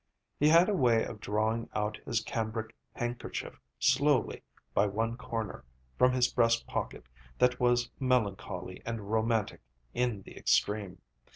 He had a way of drawing out his cambric handkerchief slowly, by one corner, from his breast pocket, that was melancholy and romantic in the extreme.